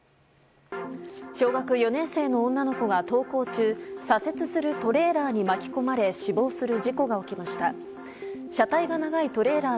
小学４年生の女の子が登校中左折するトレーラーに巻き込まれ死亡する事故が起きました。